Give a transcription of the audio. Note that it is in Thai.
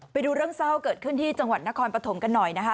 ไปดูเรื่องเศร้าเกิดขึ้นที่จังหวัดนครปฐมกันหน่อยนะคะ